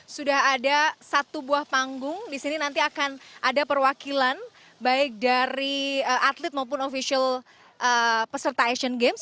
sudah ada satu buah panggung di sini nanti akan ada perwakilan baik dari atlet maupun ofisial peserta asian games